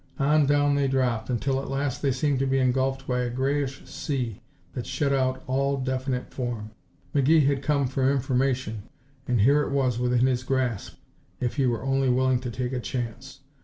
On down they dropped, until at last they seemed to be engulfed by a greyish sea that shut out all definite form. McGee had come for information, and here it was within his grasp if he were only willing to take a chance.